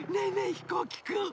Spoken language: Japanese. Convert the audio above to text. ひこうきくん！